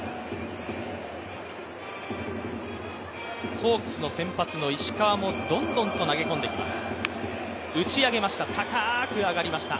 ホークスの先発の石川もどんどんと投げ込んできます。